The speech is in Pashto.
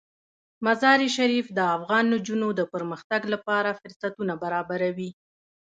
مزارشریف د افغان نجونو د پرمختګ لپاره فرصتونه برابروي.